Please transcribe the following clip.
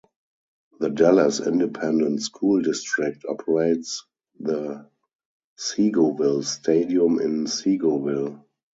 The Dallas Independent School District operates the Seagoville Stadium in Seagoville.